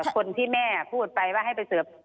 คนที่แม่พูดไปว่าให้ไปเสิร์ฟ